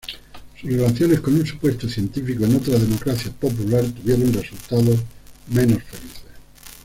Sus relaciones con un supuesto científico en otra "Democracia Popular" tuvieron resultados menos felices.